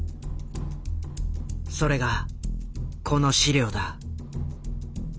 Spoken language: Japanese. それがこの資料だ。